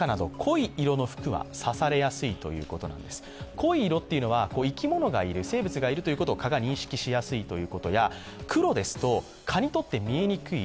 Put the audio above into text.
濃い色というのは、生き物がいる生物がいることを蚊が認識しやすいということや、黒ですと蚊にとって見えにくい。